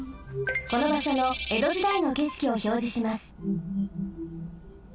このばしょの江戸時代のけしきをひょうじします。